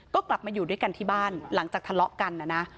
ก็กลับมาอยู่ด้วยกันที่บ้านหลังจากทะเลาะกันนะนะ